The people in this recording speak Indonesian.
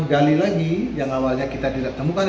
galilagi yang awalnya kita tidak temukan